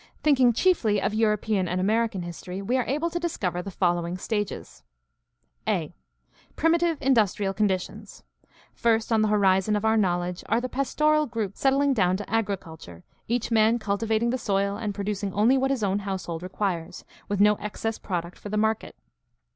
Think ing chiefly of European and American history, we are able to discover the following stages: a) Primitive industrial conditions. — First on the horizon of our knowledge are the pastoral groups settling down to agriculture, each man cultivating the soil and producing only what his own household requires, with no excess product for the market.